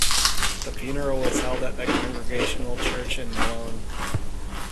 The funeral was held at the Congregational church in Malone.